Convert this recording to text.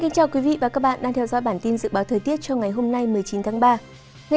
các bạn hãy đăng ký kênh để ủng hộ kênh của chúng mình nhé